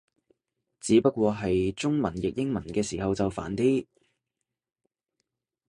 只不過係中文譯英文嘅時候就煩啲